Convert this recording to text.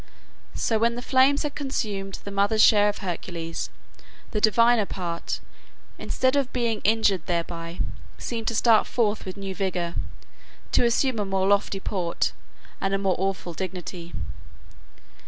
So when the flames had consumed the mother's share of Hercules, the diviner part, instead of being injured thereby, seemed to start forth with new vigor, to assume a more lofty port and a more awful dignity.